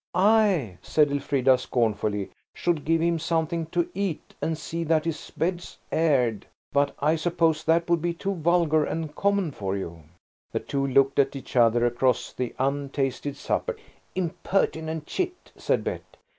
"I," said Elfrida scornfully, "should give him something to eat and see that his bed's aired; but I suppose that would be too vulgar and common for you." The two looked at each other across the untasted supper. "Impertinent chit!" said Bet.